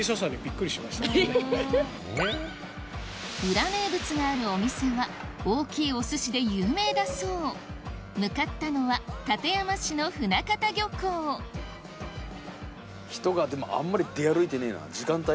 裏名物があるお店は大きいお寿司で有名だそう向かったのは館山市の船形漁港人がでもあんまり出歩いてねえな時間帯？